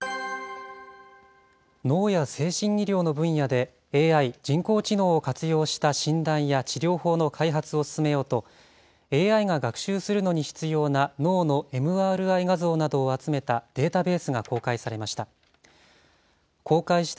脳や精神医療の分野でＡＩ・人工知能を活用した診断や治療法の開発を進めようと、ＡＩが学習するのに必要な脳のＭＲＩ画像などを集めたデータベースが公開されました。